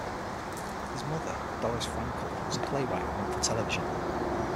His mother, Doris Frankel, was a playwright and wrote for television.